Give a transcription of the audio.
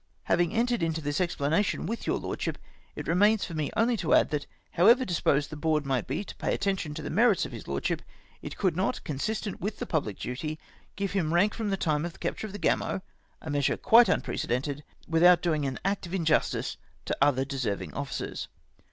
" Having entered into this explanation with your Lordship, it remains for me only to add that, however disposed the Board might be to pay attention to the merits of his Lord ship, it could not, consistent with its public duty, give him rank from the time of the capture of the Gamo — a measure quite unprecedented — without doing an act of injustice to other deserving officers.